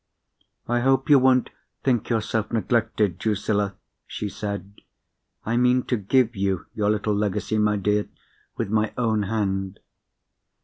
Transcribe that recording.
"I hope you won't think yourself neglected, Drusilla," she said. "I mean to give you your little legacy, my dear, with my own hand."